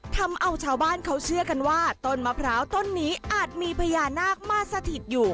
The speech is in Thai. ทำเอาชาวบ้านเขาเชื่อกันว่าต้นมะพร้าวต้นนี้อาจมีพญานาคมาสถิตอยู่